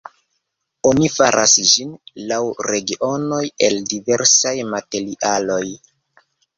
Oni faras ĝin laŭ regionoj el diversaj materialoj.